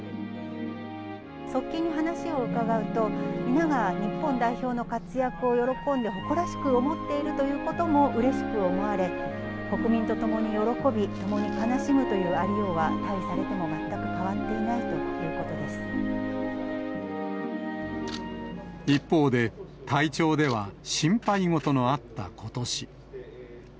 側近に話を伺うと、皆が日本代表の活躍を喜んで、誇らしく思っているということもうれしく思われ、国民と共に喜び、共に悲しむというありようは、退位されても全く変わっていない一方で、体調では心配ごとのあったことし。